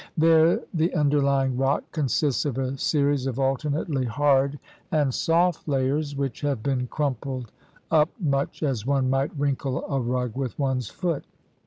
There the under lying rock consists of a series of alternately hard GEOGRAPHIC PROVINCES G3 and soft layers which have been crumpled up much as one might wrinkle a rug with one's foot.